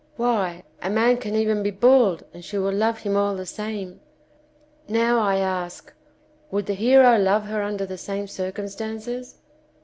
Why, a man can even be bald and she will love him all the same! Now I ask would the hero love her under the same circumstances